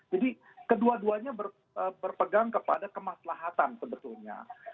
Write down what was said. jadi kedua duanya berpegang kepada kemaslahatan sebetulnya